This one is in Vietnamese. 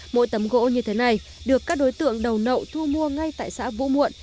mỗi tấm gỗ như thế này được các đối tượng đầu nậu thu mua ngay tại xã vũ muộn